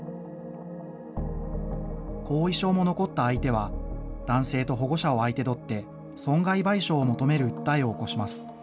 後遺症も残った相手は、男性と保護者を相手取って損害賠償を求める訴えを起こします。